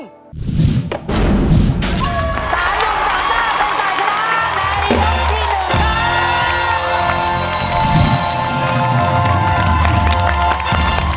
สามหยุดสามหน้าทรงสายชนักแมนอียมที่หนึ่งครับ